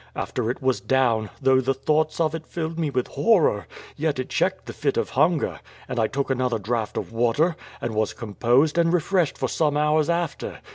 After it was down, though the thoughts of it filled me with horror, yet it checked the fit of hunger, and I took another draught of water, and was composed and refreshed for some hours after.